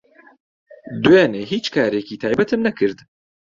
دوێنێ هیچ کارێکی تایبەتم نەکرد.